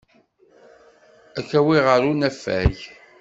Ad k-awiɣ ɣer unafag.